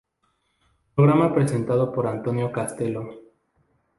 Programa presentado por Antonio Castelo.